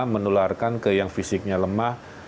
menularkan ke yang fisiknya lemah